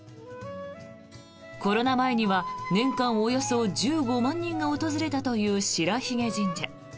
コロナ前には年間およそ１５万人が訪れたという白鬚神社。